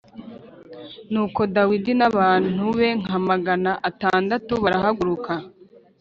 Nuko Dawidi n’abantu be nka magana atandatu barahaguruka